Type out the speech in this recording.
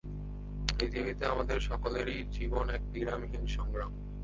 পৃথিবীতে আমাদের সকলেরই জীবন এক বিরামহীন সংগ্রাম।